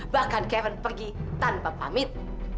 bahkan karen pergi tanpa pamit